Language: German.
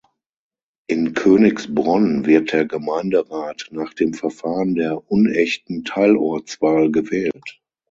In Königsbronn wird der Gemeinderat nach dem Verfahren der unechten Teilortswahl gewählt.